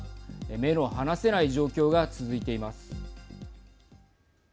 目の離せない状況が続いています。